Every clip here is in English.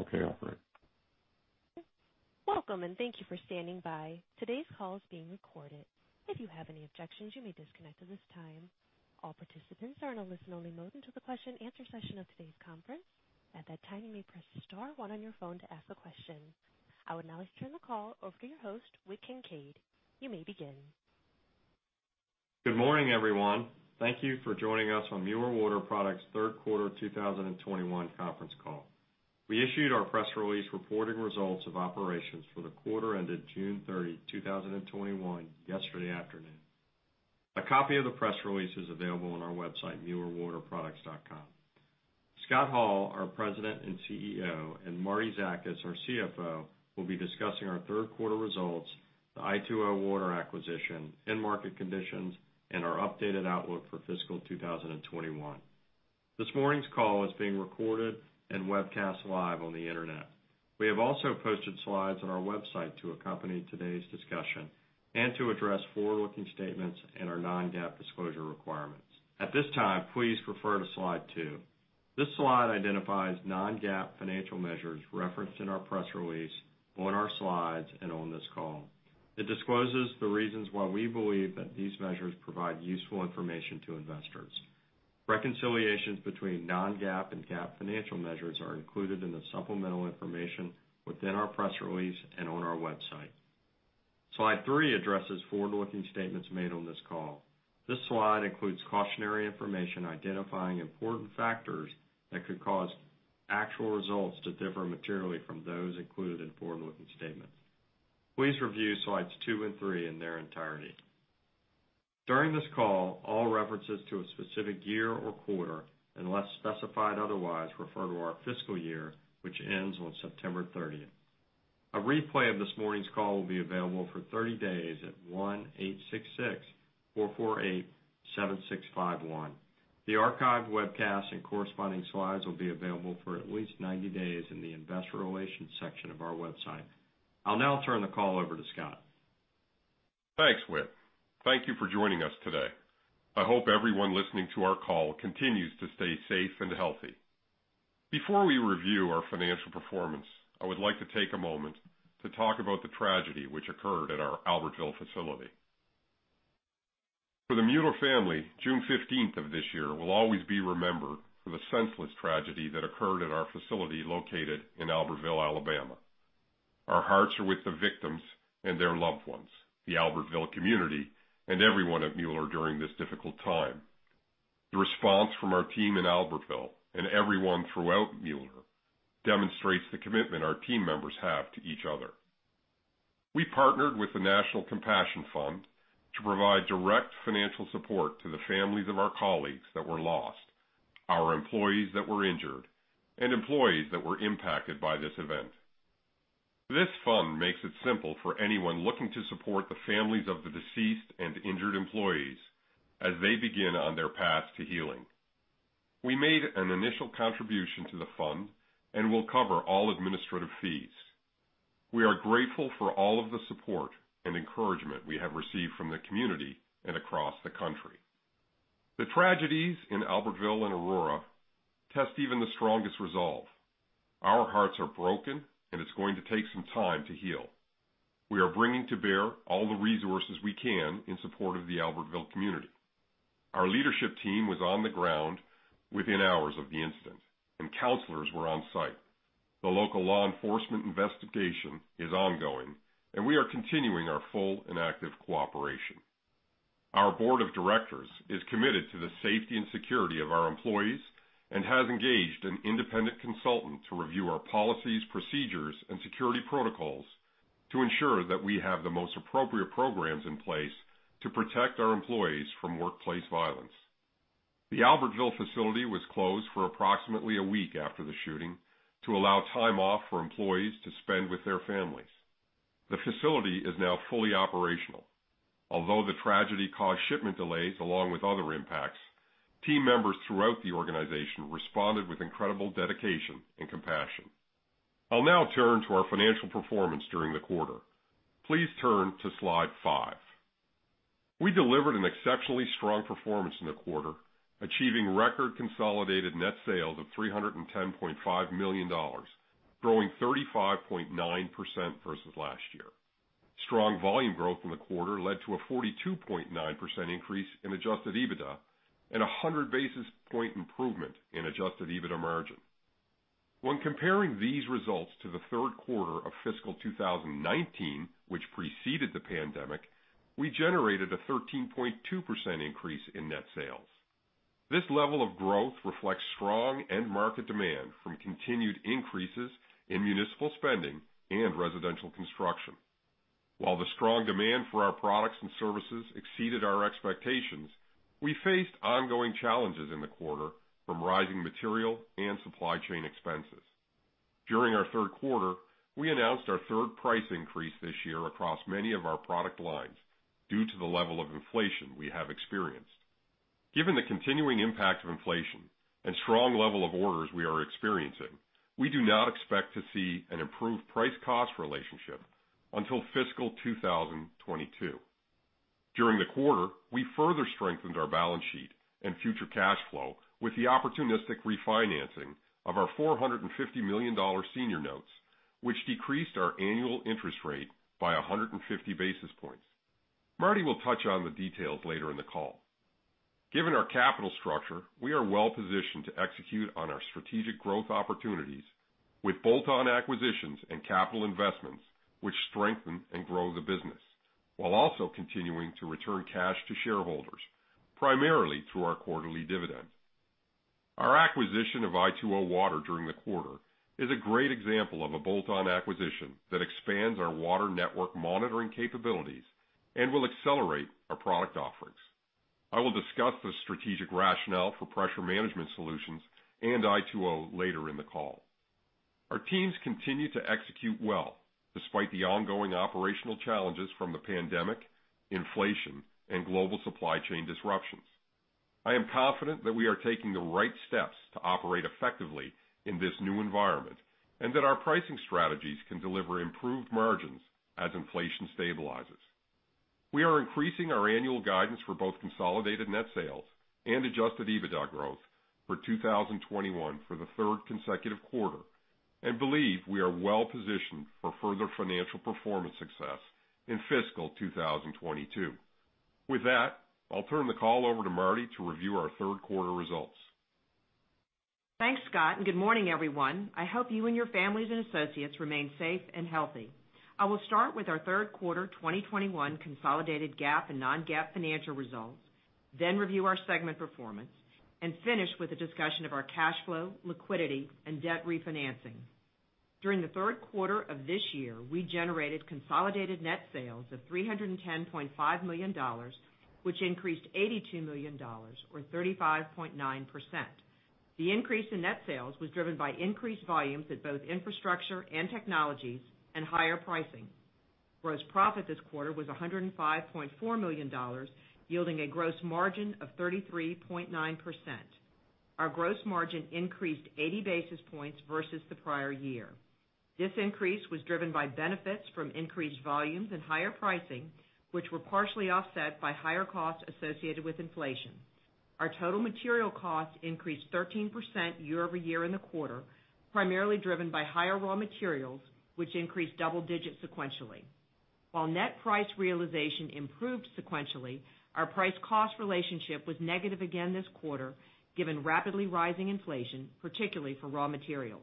Okay, operator. Welcome, and thank you for standing by. Today's call is being recorded. If you have any objections, you may disconnect at this time. All participants are in a listen-only mode until the question-and-answer session of today's conference. At that time, you may press star one on your phone to ask a question. I would now like to turn the call over to your host, Whit Kincaid. You may begin. Good morning, everyone. Thank you for joining us on Mueller Water Products' third quarter 2021 conference call. We issued our press release reporting results of operations for the quarter ended June 30th, 2021 yesterday afternoon. A copy of the press release is available on our website, muellerwaterproducts.com. Scott Hall, our President and CEO, and Marietta Zakas, our CFO, will be discussing our third quarter results, the i2O Water acquisition, end market conditions, and our updated outlook for fiscal 2021. This morning's call is being recorded and webcast live on the internet. We have also posted slides on our website to accompany today's discussion and to address forward-looking statements and our Non-GAAP disclosure requirements. At this time, please refer to Slide 2. This slide identifies Non-GAAP financial measures referenced in our press release, on our slides, and on this call. It discloses the reasons why we believe that these measures provide useful information to investors. Reconciliations between Non-GAAP and GAAP financial measures are included in the supplemental information within our press release and on our website. Slide 3 addresses forward-looking statements made on this call. This slide includes cautionary information identifying important factors that could cause actual results to differ materially from those included in forward-looking statements. Please review Slides 2 and 3 in their entirety. During this call, all references to a specific year or quarter, unless specified otherwise, refer to our fiscal year, which ends on September 30th. A replay of this morning's call will be available for 30 days at 1-866-448-7651. The archived webcast and corresponding slides will be available for at least 90 days in the investor relations section of our website. I'll now turn the call over to Scott. Thanks, Whit. Thank you for joining us today. I hope everyone listening to our call continues to stay safe and healthy. Before we review our financial performance, I would like to take a moment to talk about the tragedy which occurred at our Albertville facility. For the Mueller family, June 15th of this year will always be remembered for the senseless tragedy that occurred at our facility located in Albertville, Alabama. Our hearts are with the victims and their loved ones, the Albertville community, and everyone at Mueller during this difficult time. The response from our team in Albertville and everyone throughout Mueller demonstrates the commitment our team members have to each other. We partnered with the National Compassion Fund to provide direct financial support to the families of our colleagues that were lost, our employees that were injured, and employees that were impacted by this event. This National Compassion Fund makes it simple for anyone looking to support the families of the deceased and injured employees as they begin on their path to healing. We made an initial contribution to the National Compassion Fund and will cover all administrative fees. We are grateful for all of the support and encouragement we have received from the community and across the country. The tragedies in Albertville and Aurora test even the strongest resolve. Our hearts are broken. It's going to take some time to heal. We are bringing to bear all the resources we can in support of the Albertville community. Our leadership team was on the ground within hours of the incident, and counselors were on site. The local law enforcement investigation is ongoing, and we are continuing our full and active cooperation. Our board of directors is committed to the safety and security of our employees and has engaged an independent consultant to review our policies, procedures, and security protocols to ensure that we have the most appropriate programs in place to protect our employees from workplace violence. The Albertville facility was closed for approximately a week after the shooting to allow time off for employees to spend with their families. The facility is now fully operational. Although the tragedy caused shipment delays along with other impacts, team members throughout the organization responded with incredible dedication and compassion. I'll now turn to our financial performance during the quarter. Please turn to Slide 5. We delivered an exceptionally strong performance in the quarter, achieving record consolidated net sales of $310.5 million, growing 35.9% versus last year. Strong volume growth in the quarter led to a 42.9% increase in adjusted EBITDA and 100-basis point improvement in adjusted EBITDA margin. When comparing these results to the third quarter of fiscal 2019, which preceded the pandemic, we generated a 13.2% increase in net sales. This level of growth reflects strong end market demand from continued increases in municipal spending and residential construction. While the strong demand for our products and services exceeded our expectations, we faced ongoing challenges in the quarter from rising material and supply chain expenses. During our third quarter, we announced our third price increase this year across many of our product lines due to the level of inflation we have experienced. Given the continuing impact of inflation and strong level of orders we are experiencing, we do not expect to see an improved price-cost relationship until fiscal 2022. During the quarter, we further strengthened our balance sheet and future cash flow with the opportunistic refinancing of our $450 million senior notes, which decreased our annual interest rate by 150 basis points. Marty will touch on the details later in the call. Given our capital structure, we are well-positioned to execute on our strategic growth opportunities with bolt-on acquisitions and capital investments, which strengthen and grow the business, while also continuing to return cash to shareholders, primarily through our quarterly dividends. Our acquisition of i2O Water during the quarter is a great example of a bolt-on acquisition that expands our water network monitoring capabilities and will accelerate our product offerings. I will discuss the strategic rationale for Pressure Management solutions and i2O later in the call. Our teams continue to execute well despite the ongoing operational challenges from the pandemic, inflation, and global supply chain disruptions. I am confident that we are taking the right steps to operate effectively in this new environment, and that our pricing strategies can deliver improved margins as inflation stabilizes. We are increasing our annual guidance for both consolidated net sales and adjusted EBITDA growth for 2021 for the third consecutive quarter, and believe we are well-positioned for further financial performance success in fiscal 2022. With that, I'll turn the call over to Marty to review our third quarter results. Thanks, Scott. Good morning, everyone. I hope you and your families and associates remain safe and healthy. I will start with our third quarter 2021 consolidated GAAP and Non-GAAP financial results, then review our segment performance and finish with a discussion of our cash flow, liquidity, and debt refinancing. During the third quarter of this year, we generated consolidated net sales of $310.5 million, which increased $82 million or 35.9%. The increase in net sales was driven by increased volumes at both infrastructure and technologies and higher pricing. Gross profit this quarter was $105.4 million, yielding a gross margin of 33.9%. Our gross margin increased 80 basis points versus the prior year. This increase was driven by benefits from increased volumes and higher pricing, which were partially offset by higher costs associated with inflation. Our total material costs increased 13% year-over-year in the quarter, primarily driven by higher raw materials, which increased double digits sequentially. While net price realization improved sequentially, our price cost relationship was negative again this quarter, given rapidly rising inflation, particularly for raw materials.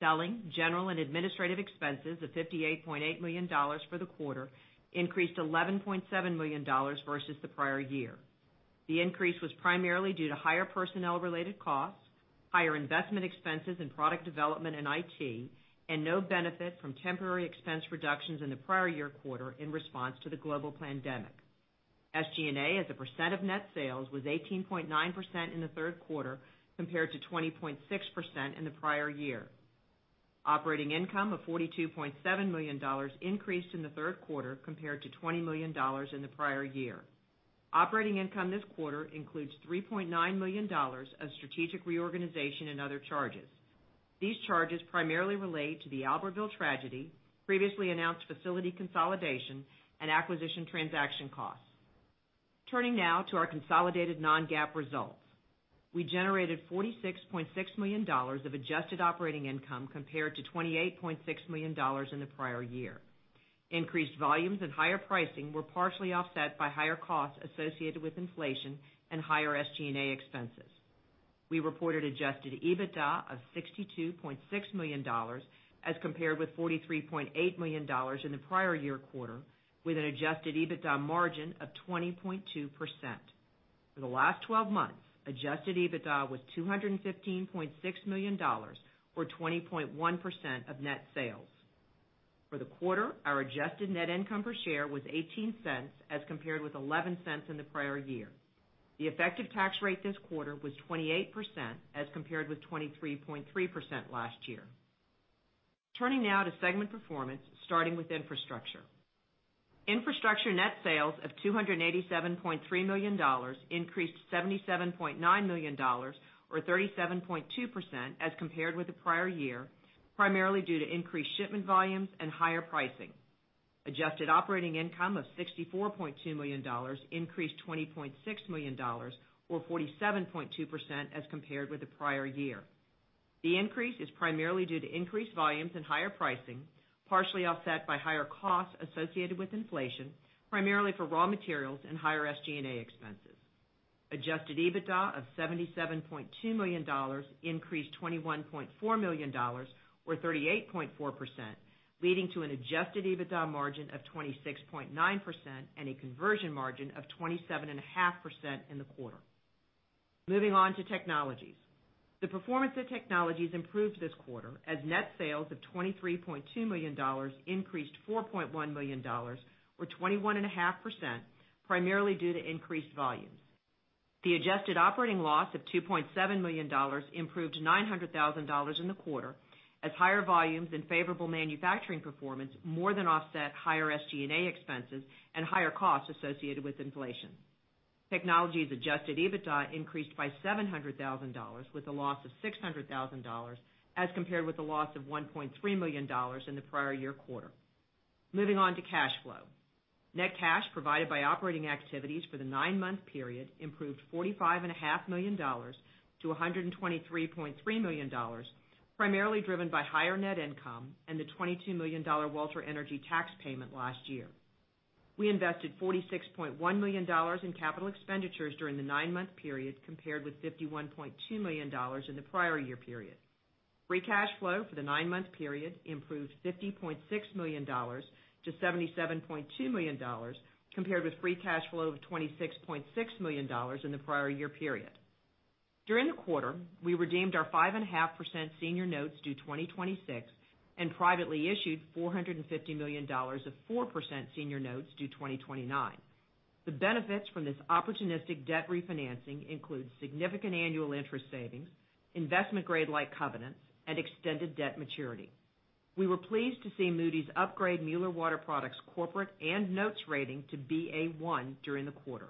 Selling, general, and administrative expenses of $58.8 million for the quarter increased $11.7 million versus the prior year. The increase was primarily due to higher personnel-related costs, higher investment expenses in product development and IT, and no benefit from temporary expense reductions in the prior year quarter in response to the global pandemic. SG&A as a percent of net sales was 18.9% in the third quarter, compared to 20.6% in the prior year. Operating income of $42.7 million increased in the third quarter, compared to $20 million in the prior year. Operating income this quarter includes $3.9 million of strategic reorganization and other charges. These charges primarily relate to the Albertville tragedy, previously announced facility consolidation, and acquisition transaction costs. Turning now to our consolidated Non-GAAP results. We generated $46.6 million of adjusted operating income, compared to $28.6 million in the prior year. Increased volumes and higher pricing were partially offset by higher costs associated with inflation and higher SG&A expenses. We reported adjusted EBITDA of $62.6 million as compared with $43.8 million in the prior year quarter, with an adjusted EBITDA margin of 20.2%. For the last 12 months, adjusted EBITDA was $215.6 million or 20.1% of net sales. For the quarter, our adjusted net income per share was $0.18 as compared with $0.11 in the prior year. The effective tax rate this quarter was 28% as compared with 23.3% last year. Turning now to segment performance, starting with infrastructure. Infrastructure net sales of $287.3 million increased $77.9 million or 37.2% as compared with the prior year, primarily due to increased shipment volumes and higher pricing. Adjusted operating income of $64.2 million increased $20.6 million or 47.2% as compared with the prior year. The increase is primarily due to increased volumes and higher pricing, partially offset by higher costs associated with inflation, primarily for raw materials and higher SG&A expenses. Adjusted EBITDA of $77.2 million increased $21.4 million or 38.4%, leading to an adjusted EBITDA margin of 26.9% and a conversion margin of 27.5% in the quarter. Moving on to technologies. The performance of technologies improved this quarter as net sales of $23.2 million increased $4.1 million or 21.5%, primarily due to increased volumes. The adjusted operating loss of $2.7 million improved $900,000 in the quarter as higher volumes and favorable manufacturing performance more than offset higher SG&A expenses and higher costs associated with inflation. Technology's adjusted EBITDA increased by $700,000 with a loss of $600,000 as compared with a loss of $1.3 million in the prior year quarter. Moving on to cash flow. Net cash provided by operating activities for the nine-month period improved $45.5 million-$123.3 million, primarily driven by higher net income and the $22 million Walter Energy tax payment last year. We invested $46.1 million in capital expenditures during the nine-month period, compared with $51.2 million in the prior year period. Free cash flow for the nine-month period improved $50.6 million-$77.2 million, compared with free cash flow of $26.6 million in the prior year period. During the quarter, we redeemed our 5.5% senior notes due 2026 and privately issued $450 million of 4% senior notes due 2029. The benefits from this opportunistic debt refinancing includes significant annual interest savings, investment grade-like covenants, and extended debt maturity. We were pleased to see Moody's upgrade Mueller Water Products corporate and notes rating to Ba1 during the quarter.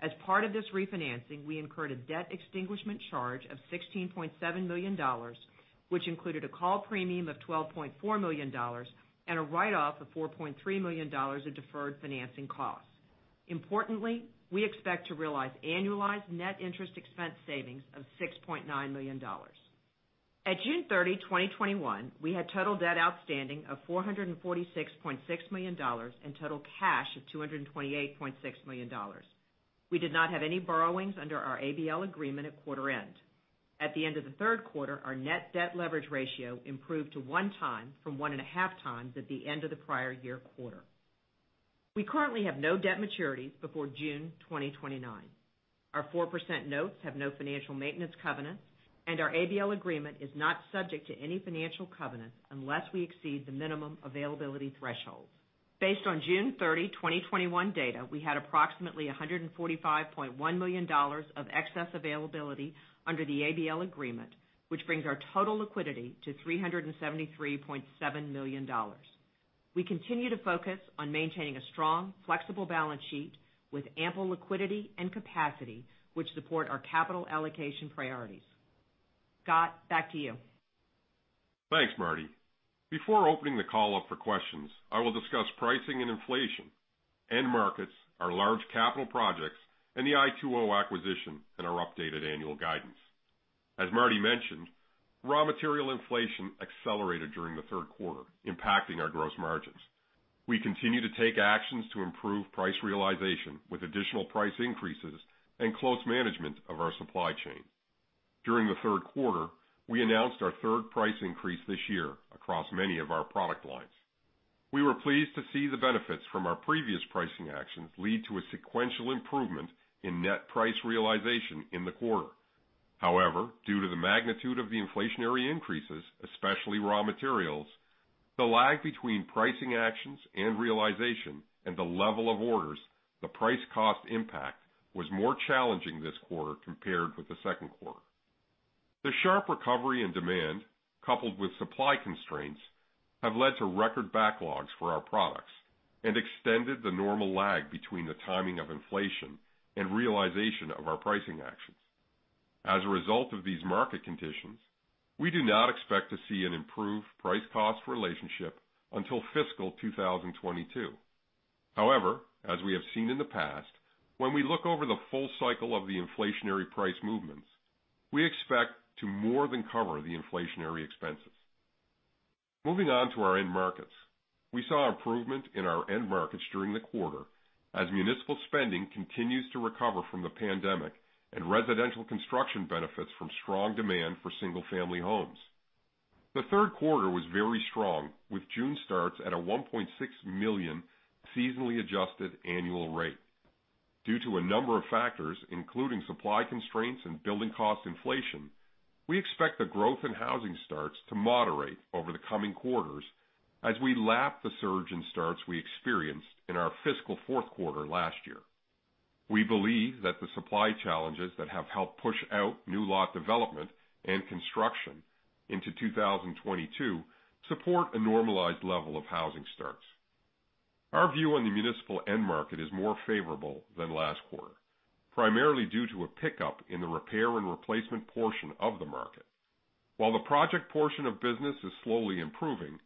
As part of this refinancing we incurred a debt extinguishment charge of $16.7 million, which included a call premium of $12.4 million, and a write-off of $4.3 million of deferred financing costs. Importantly, we expect to realize annualized net interest expense savings of $6.9 million. At June 30th, 2021, we had total debt outstanding of $446.6 million and total cash of $228.6 million. We did not have any borrowings under our ABL agreement at quarter end. At the end of the third quarter, our net debt leverage ratio improved to 1 time from 1.5 times at the end of the prior year quarter. We currently have no debt maturities before June 2029. Our 4% notes have no financial maintenance covenants and our ABL agreement is not subject to any financial covenants unless we exceed the minimum availability threshold. Based on June 30, 2021, data, we had approximately $145.1 million of excess availability under the ABL agreement, which brings our total liquidity to $373.7 million. We continue to focus on maintaining a strong, flexible balance sheet with ample liquidity and capacity, which support our capital allocation priorities. Scott, back to you. Thanks, Marty. Before opening the call up for questions, I will discuss pricing and inflation, end markets, our large capital projects, and the i2O acquisition and our updated annual guidance. As Marty mentioned, raw material inflation accelerated during the third quarter, impacting our gross margins. We continue to take actions to improve price realization with additional price increases and close management of our supply chain. During the third quarter, we announced our third price increase this year across many of our product lines. We were pleased to see the benefits from our previous pricing actions lead to a sequential improvement in net price realization in the quarter. Due to the magnitude of the inflationary increases, especially raw materials, the lag between pricing actions and realization and the level of orders, the price-cost impact was more challenging this quarter compared with the second quarter. The sharp recovery and demand, coupled with supply constraints, have led to record backlogs for our products and extended the normal lag between the timing of inflation and realization of our pricing actions. As a result of these market conditions, we do not expect to see an improved price-cost relationship until fiscal 2022. As we have seen in the past, when we look over the full cycle of the inflationary price movements, we expect to more than cover the inflationary expenses. Moving on to our end markets. We saw improvement in our end markets during the quarter as municipal spending continues to recover from the pandemic and residential construction benefits from strong demand for single-family homes. The third quarter was very strong, with June starts at a 1.6 million seasonally adjusted annual rate. Due to a number of factors, including supply constraints and building cost inflation, we expect the growth in housing starts to moderate over the coming quarters as we lap the surge in starts we experienced in our fiscal fourth quarter last year. We believe that the supply challenges that have helped push out new lot development and construction into 2022 support a normalized level of housing starts. Our view on the municipal end market is more favorable than last quarter, primarily due to a pickup in the repair and replacement portion of the market. While the project portion of business is slowly improving,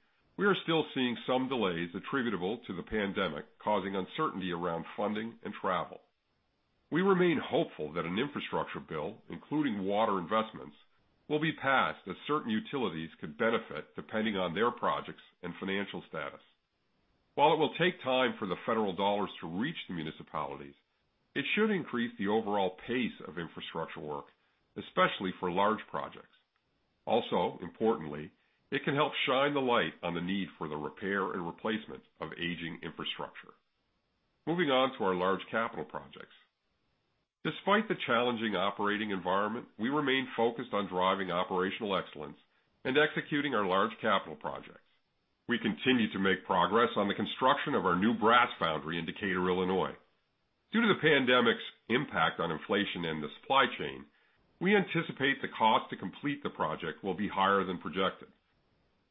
we are still seeing some delays attributable to the pandemic causing uncertainty around funding and travel. We remain hopeful that an infrastructure bill, including water investments, will be passed as certain utilities could benefit depending on their projects and financial status. While it will take time for the federal dollars to reach the municipalities, it should increase the overall pace of infrastructure work, especially for large projects. Also, importantly, it can help shine the light on the need for the repair and replacement of aging infrastructure. Moving on to our large capital projects. Despite the challenging operating environment, we remain focused on driving operational excellence and executing our large capital projects. We continue to make progress on the construction of our new brass foundry in Decatur, Illinois. Due to the pandemic's impact on inflation and the supply chain, we anticipate the cost to complete the project will be higher than projected.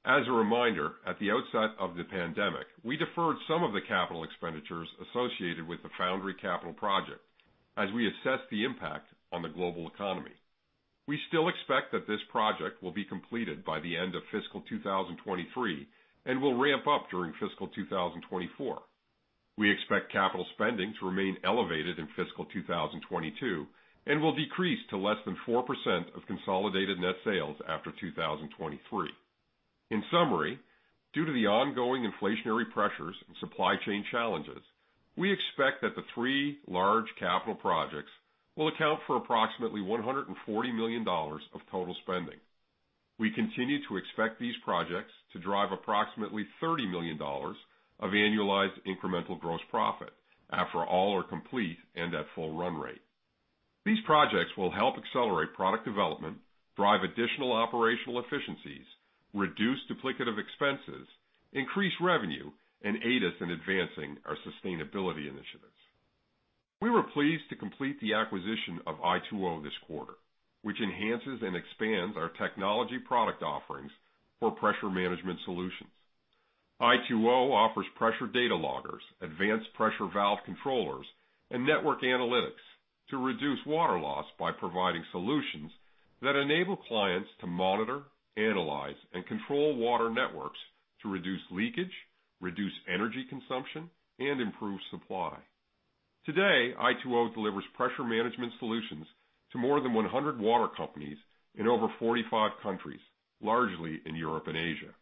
As a reminder, at the outset of the pandemic, we deferred some of the capital expenditures associated with the foundry capital project as we assessed the impact on the global economy. We still expect that this project will be completed by the end of fiscal 2023 and will ramp up during fiscal 2024. We expect capital spending to remain elevated in fiscal 2022 and will decrease to less than 4% of consolidated net sales after 2023. In summary, due to the ongoing inflationary pressures and supply chain challenges, we expect that the three large capital projects will account for approximately $140 million of total spending. We continue to expect these projects to drive approximately $30 million of annualized incremental gross profit after all are complete and at full run rate. These projects will help accelerate product development, drive additional operational efficiencies, reduce duplicative expenses, increase revenue, and aid us in advancing our sustainability initiatives. We were pleased to complete the acquisition of i2O this quarter, which enhances and expands our technology product offerings for Pressure Management solutions. i2O offers pressure data loggers, advanced pressure valve controllers, and network analytics to reduce water loss by providing solutions that enable clients to monitor, analyze, and control water networks to reduce leakage, reduce energy consumption, and improve supply. Today, i2O delivers pressure management solutions to more than 100 water companies in over 45 countries, largely in Europe and Asia.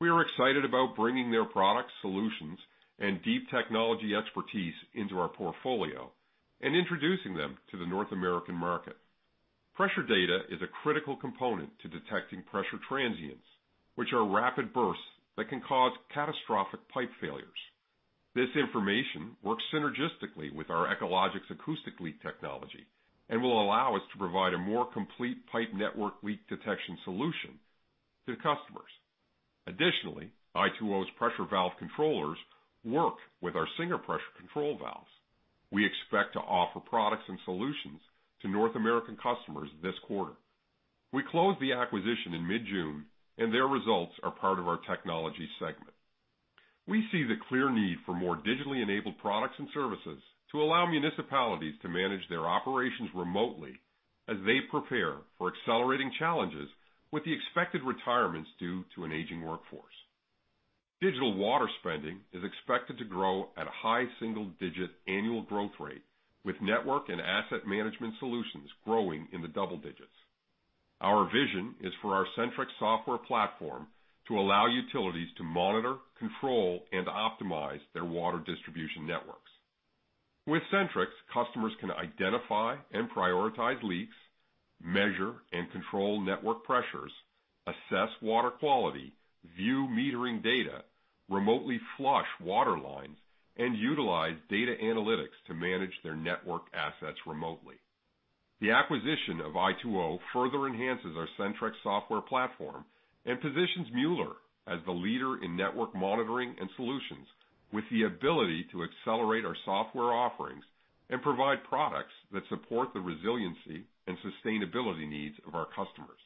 We are excited about bringing their products, solutions, and deep technology expertise into our portfolio and introducing them to the North American market. Pressure data is a critical component to detecting pressure transients, which are rapid bursts that can cause catastrophic pipe failures. This information works synergistically with our Echologics acoustic leak technology and will allow us to provide a more complete pipe network leak detection solution to customers. Additionally, i2O's pressure valve controllers work with our Singer pressure control valves. We expect to offer products and solutions to North American customers this quarter. We closed the acquisition in mid-June, and their results are part of our technology segment. We see the clear need for more digitally enabled products and services to allow municipalities to manage their operations remotely as they prepare for accelerating challenges with the expected retirements due to an aging workforce. Digital water spending is expected to grow at a high single-digit annual growth rate, with network and asset management solutions growing in the double digits. Our vision is for our Sentryx software platform to allow utilities to monitor, control, and optimize their water distribution networks. With Sentryx, customers can identify and prioritize leaks, measure and control network pressures, assess water quality, view metering data, remotely flush water lines, and utilize data analytics to manage their network assets remotely. The acquisition of i2O further enhances our Sentryx software platform and positions Mueller as the leader in network monitoring and solutions with the ability to accelerate our software offerings and provide products that support the resiliency and sustainability needs of our customers.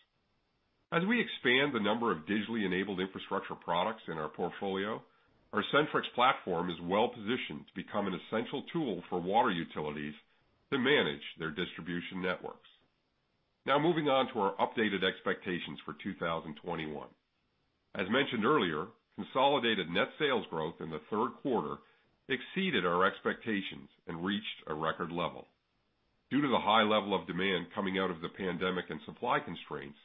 As we expand the number of digitally enabled infrastructure products in our portfolio, our Sentryx platform is well positioned to become an essential tool for water utilities to manage their distribution networks. Now moving on to our updated expectations for 2021. As mentioned earlier, consolidated net sales growth in the third quarter exceeded our expectations and reached a record level. Due to the high level of demand coming out of the pandemic and supply constraints,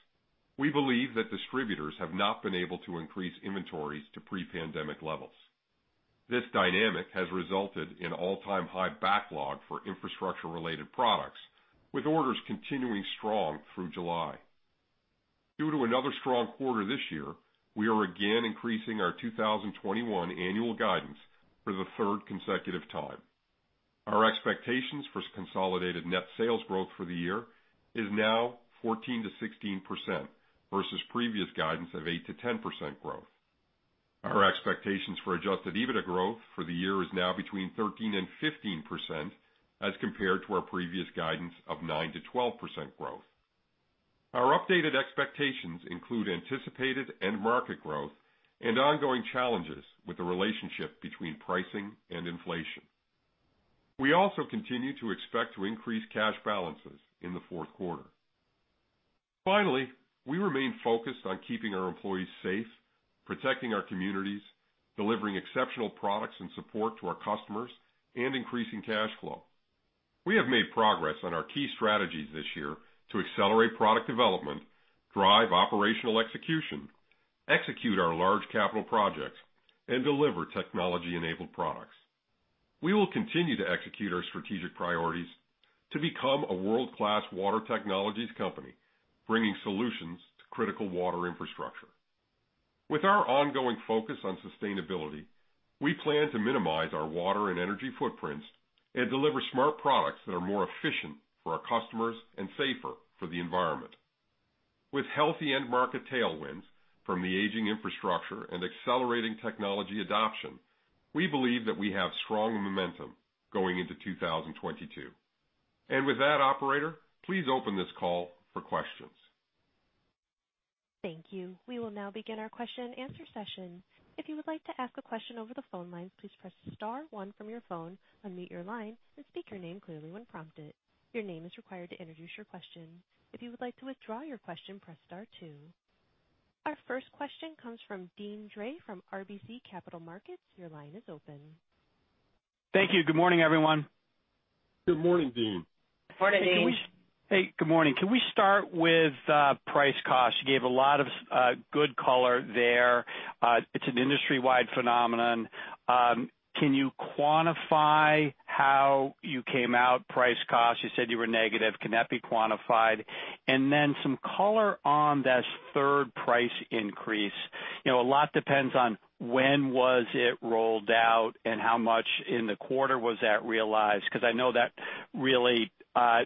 we believe that distributors have not been able to increase inventories to pre-pandemic levels. This dynamic has resulted in all-time high backlog for infrastructure-related products, with orders continuing strong through July. Due to another strong quarter this year, we are again increasing our 2021 annual guidance for the third consecutive time. Our expectations for consolidated net sales growth for the year is now 14%-16%, versus previous guidance of 8%-10% growth. Our expectations for adjusted EBITDA growth for the year is now between 13% and 15%, as compared to our previous guidance of 9%-12% growth. Our updated expectations include anticipated end market growth and ongoing challenges with the relationship between pricing and inflation. We also continue to expect to increase cash balances in the fourth quarter. Finally, we remain focused on keeping our employees safe, protecting our communities, delivering exceptional products and support to our customers, and increasing cash flow. We have made progress on our key strategies this year to accelerate product development, drive operational execution, execute our large capital projects, and deliver technology-enabled products. We will continue to execute our strategic priorities to become a world-class water technologies company, bringing solutions to critical water infrastructure. With our ongoing focus on sustainability, we plan to minimize our water and energy footprints and deliver smart products that are more efficient for our customers and safer for the environment. With healthy end market tailwinds from the aging infrastructure and accelerating technology adoption, we believe that we have strong momentum going into 2022. With that, operator, please open this call for questions. Thank you. We will now begin our question and answer session. Our first question comes from Deane Dray from RBC Capital Markets. Your line is open. Thank you. Good morning, everyone. Good morning, Deane. Good morning, Deane. Hey, good morning. Can we start with price cost? You gave a lot of good color there. It's an industry-wide phenomenon. Can you quantify how you came out price cost? You said you were negative, can that be quantified? Some color on that third price increase. A lot depends on when was it rolled out and how much in the quarter was that realized, because I know that really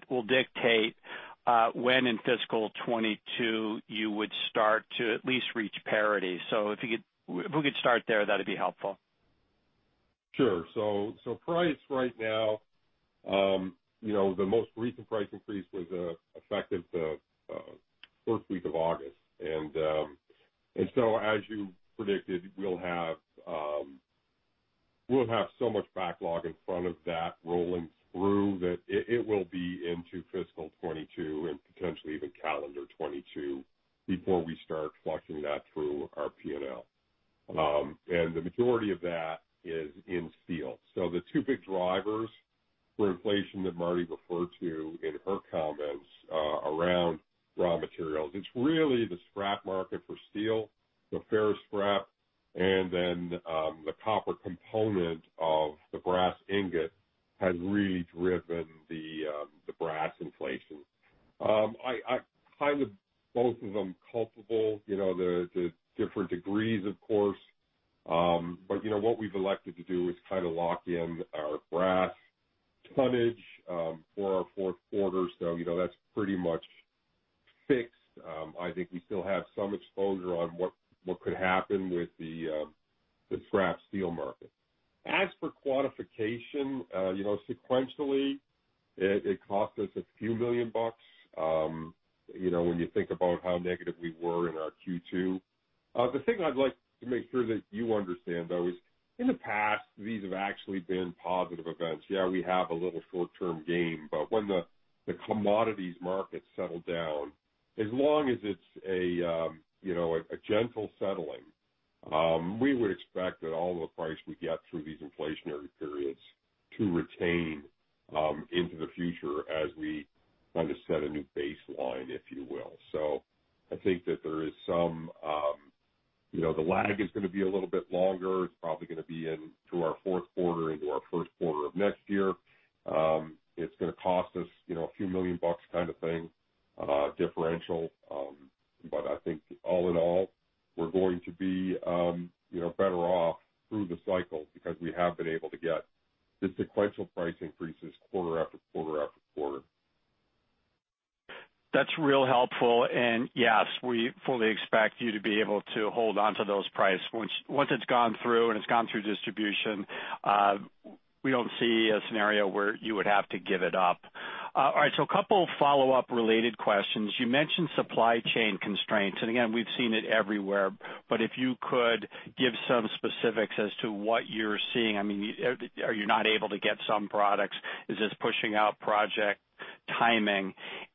will dictate when in fiscal 2022 you would start to at least reach parity. If we could start there, that'd be helpful. Sure. Price right now, the most recent price increase was effective the first week of August. As you predicted, we'll have so much backlog in front of that rolling through that it will be into fiscal 2022 and potentially even calendar 2022 before we start flushing that through our P&L. The majority of that is in steel. The two big drivers for inflation that Marty referred to in her comments around raw materials, it's really the scrap market for steel, the ferrous scrap, and then the copper component of the brass ingot has really driven the brass inflation. I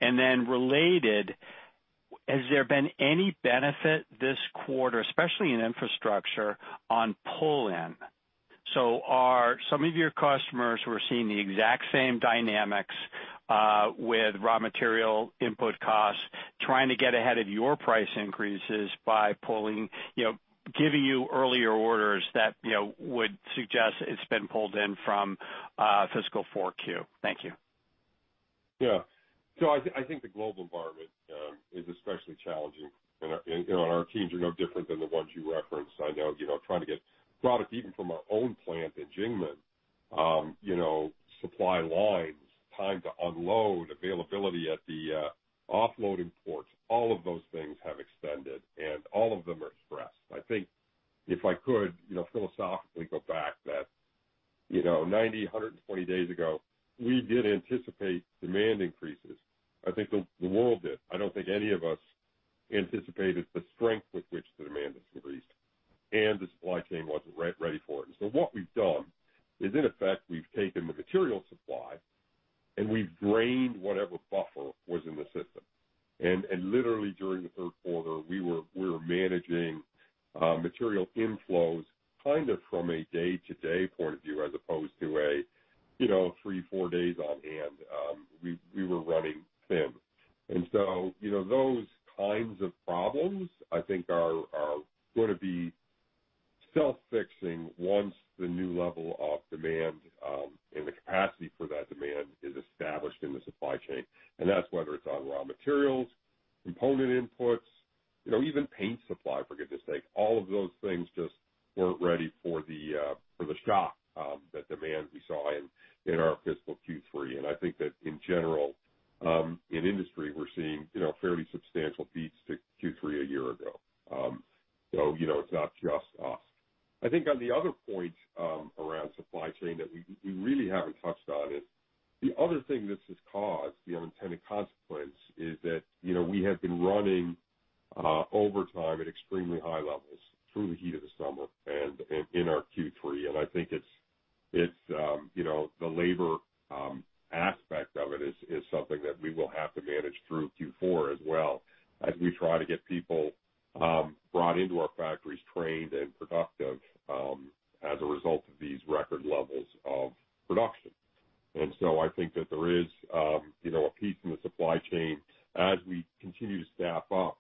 Then related, has there been any benefit this quarter, especially in infrastructure, on pull-in? Are some of your customers who are seeing the exact same dynamics with raw material input costs trying to get ahead of your price increases by giving you earlier orders that would suggest it's been pulled in from fiscal 4Q? Thank you. Yeah. I think the global environment is especially challenging, and our teams are no different than the ones you referenced. I know, trying to get product even from our own plant in Jingmen. Supply lines, time to unload, availability at the offloading ports, all of those things have extended, and all of them are stressed. I think if I could philosophically go back that 90, 120 days ago, we did anticipate demand increases. I think the world did. I don't think any of us anticipated the strength with which the demand has increased, and the supply chain wasn't ready for it. What we've done is, in effect, we've taken the material supply, and we've drained whatever buffer was in the system. Literally during the third quarter, we were managing material inflows kind of from a day-to-day point of view as opposed to a three, four days on-hand. We were running thin. Those kinds of problems, I think, are going to be self-fixing once the new level of demand and the capacity for that demand is established in the supply chain. That's whether it's on raw materials, component inputs, even paint supply, for goodness' sake. All of those things just weren't ready for the shock that demand we saw in our fiscal Q3. I think that in general in industry, we're seeing fairly substantial beats to Q3 a year ago. It's not just us. I think on the other point around supply chain that we really haven't touched on is the other thing this has caused, the unintended consequence is that we have been running overtime at extremely high levels through the heat of the summer and in our Q3. I think the labor aspect of it is something that we will have to manage through Q4 as well as we try to get people brought into our factories, trained, and productive as a result of these record levels of production. I think that there is a piece in the supply chain as we continue to staff up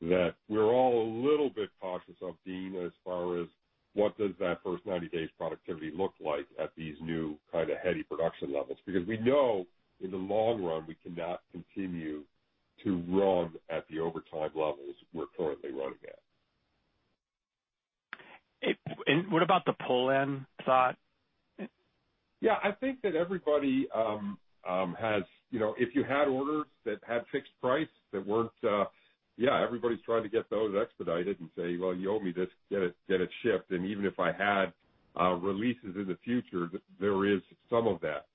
that we're all a little bit cautious of, Deane, as far as what does that first 90 days productivity look like at these new kind of heady production levels? We know in the long run, we cannot continue to run at the overtime levels we're currently running at. What about the pull-in thought? I think that if you had orders that had fixed price that weren't, everybody's trying to get those expedited and say, "Well, you owe me this, get it shipped." Even if I had releases in the future, there is some of that.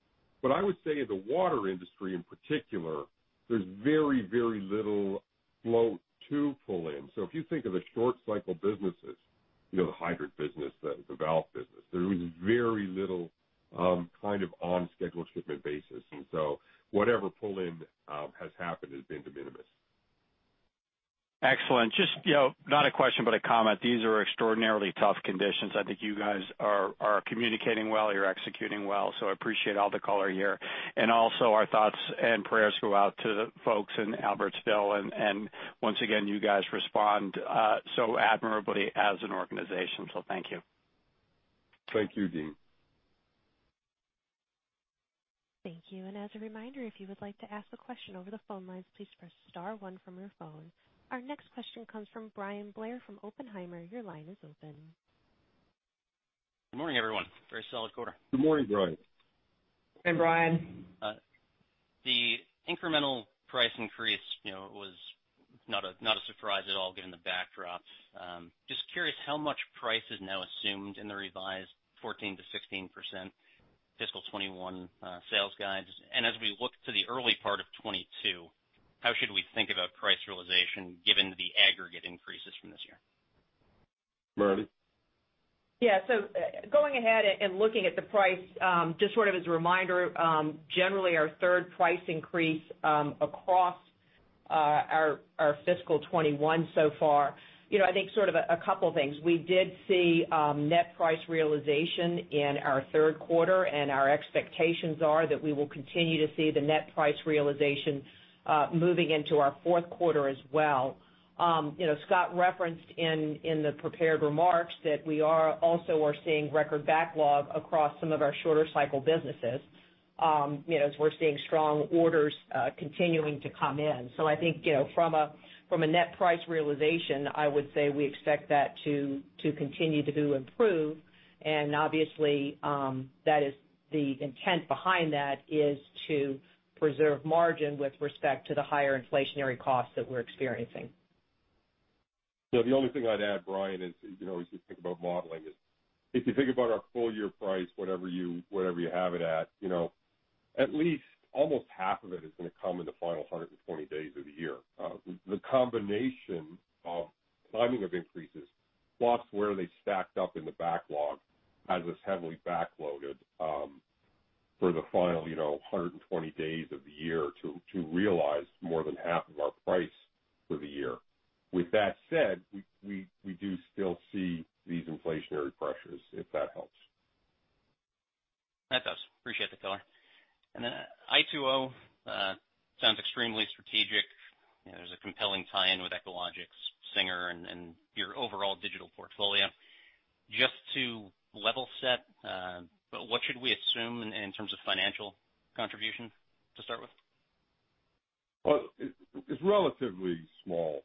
I would say in the water industry in particular, there's very little flow to pull in. If you think of the short cycle businesses, the hybrid business, the valve business, there is very little kind of on-schedule shipment basis. Whatever pull-in has happened has been de minimis. Excellent. Just not a question, but a comment. These are extraordinarily tough conditions. I think you guys are communicating well. You're executing well. I appreciate all the color here. Also our thoughts and prayers go out to the folks in Albertville. Once again, you guys respond so admirably as an organization. Thank you. Thank you, Deane. Thank you. As a reminder, if you would like to ask a question over the phone lines, please press star one from your phone. Our next question comes from Bryan Blair from Oppenheimer. Your line is open. Good morning, everyone. Very solid quarter. Good morning, Bryan. Hey, Bryan. The incremental price increase was not a surprise at all given the backdrop. Just curious how much price is now assumed in the revised 14%-16% fiscal 2021 sales guides. As we look to the early part of 2022, how should we think about price realization given the aggregate increases from this year? Marietta? Yeah. Going ahead and looking at the price, just sort of as a reminder, generally our third price increase across our fiscal 2021 so far. I think sort of a couple things. We did see net price realization in our third quarter, and our expectations are that we will continue to see the net price realization moving into our fourth quarter as well. Scott referenced in the prepared remarks that we are also seeing record backlog across some of our shorter cycle businesses as we're seeing strong orders continuing to come in. I think from a net price realization, I would say we expect that to continue to improve. Obviously, the intent behind that is to preserve margin with respect to the higher inflationary costs that we're experiencing. The only thing I'd add, Bryan, as you always think about modeling is if you think about our full-year price, whatever you have it at least almost half of it is going to come in the final 120 days of the year. The combination of timing of increases plus where they stacked up in the backlog has us heavily backloaded for the final 120 days of the year to realize more than half of our price for the year. With that said, we do still see these inflationary pressures, if that helps. That does. Appreciate the color. i2O sounds extremely strategic. There's a compelling tie-in with Echologics, Singer, and your overall digital portfolio. Just to level set, what should we assume in terms of financial contribution to start with? Well, it's a relatively small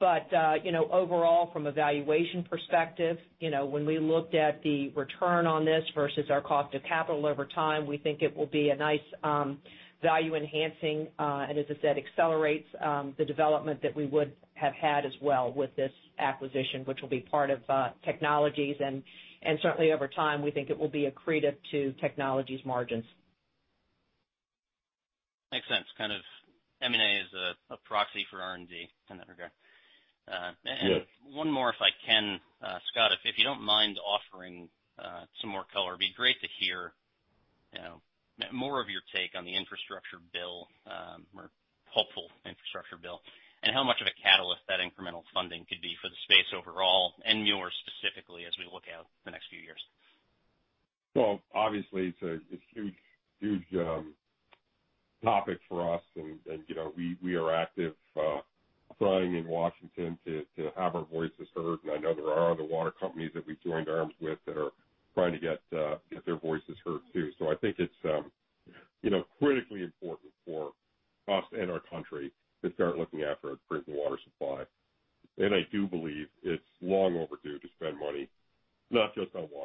Overall, from a valuation perspective, when we looked at the return on this versus our cost of capital over time, we think it will be a nice value enhancing, and as I said, accelerates the development that we would have had as well with this acquisition, which will be part of Technologies. Certainly over time, we think it will be accretive to Technologies margins. Makes sense. Kind of M&A is a proxy for R&D in that regard. Yes. One more if I can. Scott, if you don't mind offering some more color, it'd be great to hear more of your take on the infrastructure bill or hopeful infrastructure bill, and how much of a catalyst that incremental funding could be for the space overall and yours specifically as we look out the next few years. Obviously, it's a huge topic for us and we are active, plying in Washington to have our voices heard, and I know there are other water companies that we've joined arms with that are trying to get their voices heard too. I think it's critically important for us and our country to start looking after our drinking water supply. I do believe it's long overdue to spend money, not just on water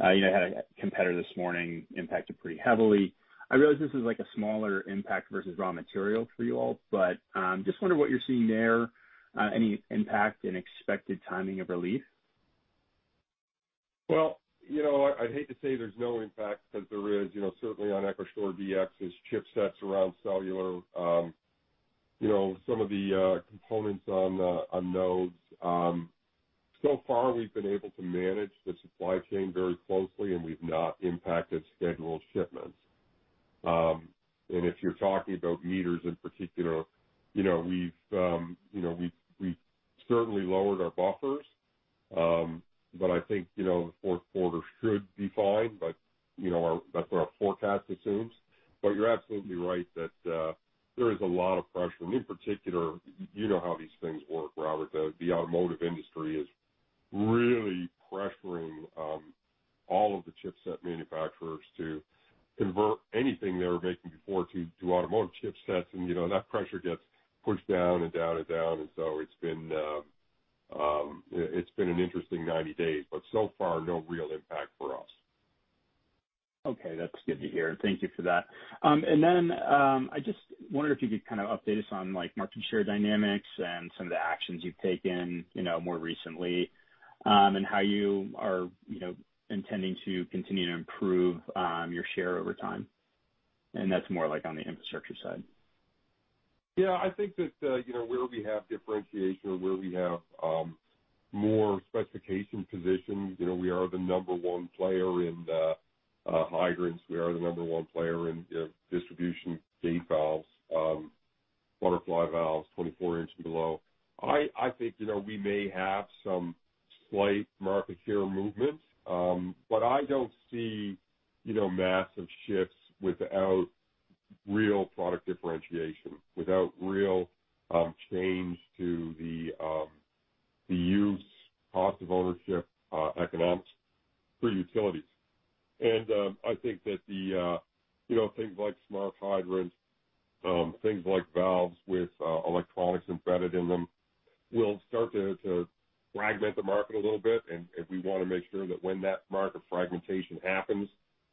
I had a competitor this morning impacted pretty heavily. I realize this is like a smaller impact versus raw material for you all, but just wonder what you're seeing there. Any impact and expected timing of relief? Well, I'd hate to say there's no impact because there is certainly on EchoShore-DX's chipsets around cellular. Some of the components on nodes. So far, we've been able to manage the supply chain very closely, and we've not impacted scheduled shipments. If you're talking about meters in particular, we've certainly lowered our buffers. I think the fourth quarter should be fine, that's what our forecast assumes. You're absolutely right that there is a lot of pressure. In particular, you know how these things work, Robert. The automotive industry is really pressuring all of the chipset manufacturers to convert anything they were making before to automotive chipsets. That pressure gets pushed down and down and down, it's been an interesting 90 days, so far, no real impact for us. Okay. That's good to hear, and thank you for that. I just wondered if you could kind of update us on market share dynamics and some of the actions you've taken more recently, and how you are intending to continue to improve your share over time. That's more on the infrastructure side. Yeah, I think that where we have differentiation or where we have more specification positions, we are the number 1 player in the hydrants. We are the number 1 player in distribution gate valves, butterfly valves, 24-inch and below. I think we may have some slight market share movements. I don't see massive shifts without real product differentiation, without real change to the use, cost of ownership, economics for utilities. I think that the things like smart hydrants, things like valves with electronics embedded in them, will start to fragment the market a little bit. We want to make sure that when that market fragmentation happens,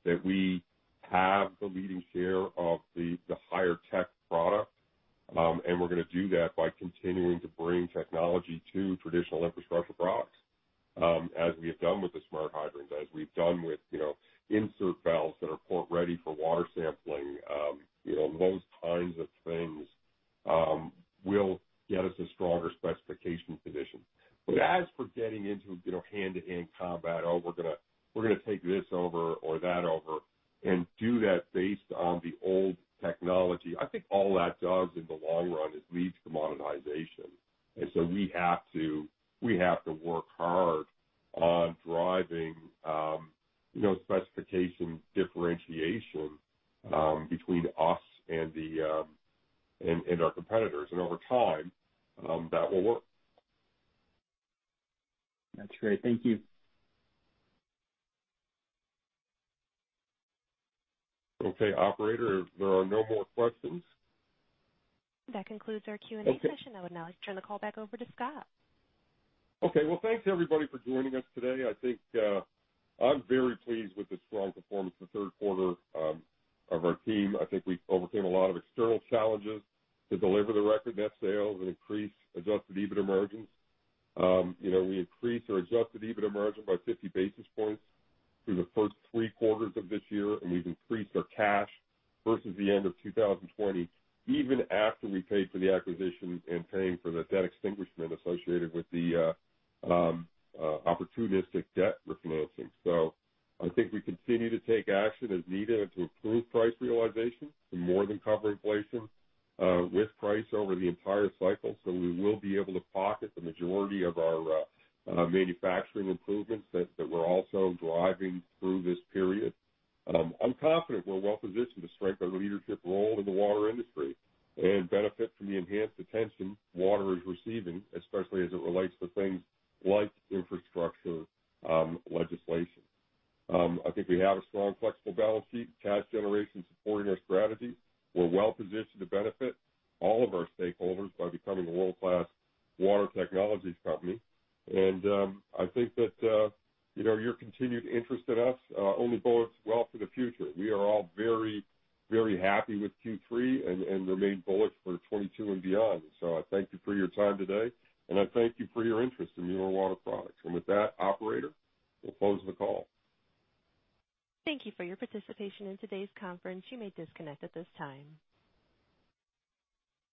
that we have the leading share of the higher tech product. We're going to do that by continuing to bring technology to traditional infrastructure products, as we have done with the smart hydrants, as we've done with insert valves that are port ready for water sampling. Those kinds of things will get us a stronger specification position. As for getting into hand-to-hand combat, "Oh, we're gonna take this over or that over," and do that based on the old technology, I think all that does in the long run is leads to commoditization. So we have to work hard on driving specification differentiation between us and our competitors. Over time, that will work. That's great. Thank you. Okay, operator, there are no more questions? That concludes our Q&A session. Okay. I would now like to turn the call back over to Scott. Okay. Well, thanks, everybody, for joining us today. I think, I'm very pleased with the strong performance in the 3rd quarter of our team. I think we overcame a lot of external challenges to deliver the record net sales and increase adjusted EBITDA margins. We increased our adjusted EBITDA margin by 50 basis points through the first 3 quarters of this year, and we've increased our cash versus the end of 2020 even after we paid for the acquisition and paying for the debt extinguishment associated with the opportunistic debt refinancing. I think we continue to take action as needed to improve price realization and more than cover inflation,